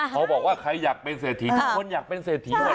พอบอกว่าใครอยากเป็นเศรษฐีทุกคนอยากเป็นเศรษฐีหมด